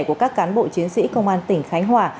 của các cán bộ chiến sĩ công an tỉnh khánh hòa